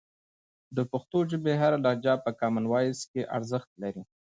د پښتو ژبې هره لهجه په کامن وایس کې ارزښت لري.